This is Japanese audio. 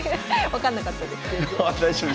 分かんなかった大丈夫。